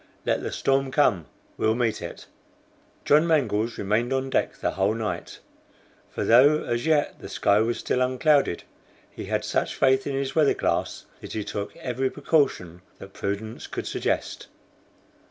Let the storm come, we'll meet it!" John Mangles remained on deck the whole night, for though as yet the sky was still unclouded, he had such faith in his weather glass, that he took every precaution that prudence could suggest.